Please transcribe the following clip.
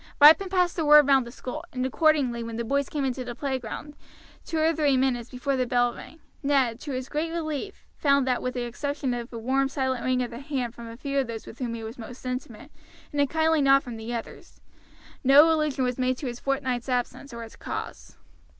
Ripon passed the word round the school, and accordingly when the boys came into the playground, two or three minutes before the bell rang, Ned, to his great relief, found that with the exception of a warm silent wring of the hand from a few of those with whom he was most intimate, and a kindly nod from others, no allusion was made to his fortnight's absence or its cause.